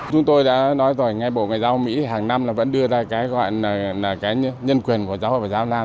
chúng tôi đã nói rồi ngay bộ ngoại giao mỹ hàng năm là vẫn đưa ra cái gọi là cái nhân quyền của giáo hội và giáo lan